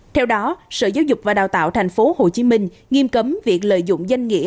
theo đó sở giáo dục và đào tạo tp hcm nghiêm cấm việc lợi dụng danh nghĩa